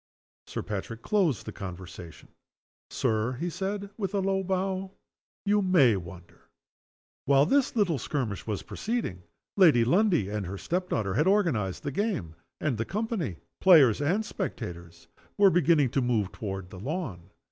Sir Patrick closed the conversation: "Sir," he said, with a low bow, "you may wonder." While this little skirmish was proceeding Lady Lundie and her step daughter had organized the game; and the company, players and spectators, were beginning to move toward the lawn.